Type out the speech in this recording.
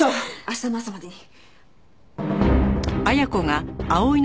明日の朝までに。